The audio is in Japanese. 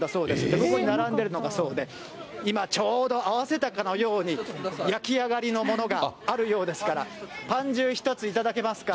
ここに並んでるのがそうで、今ちょうど、合わせたかのように焼き上がりのものがあるようですから、ぱんじゅう１つ頂けますか。